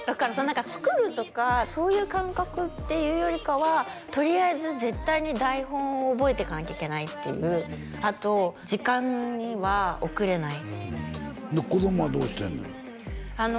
作るとかそういう感覚っていうよりかはとりあえず絶対に台本を覚えてかなきゃいけないっていうあと時間には遅れない子供はどうしてんねん？